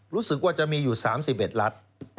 รู้สึกว่าจะมีอยู่๓๑รัฐ